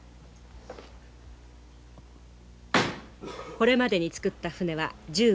これまでに作った舟は１５隻。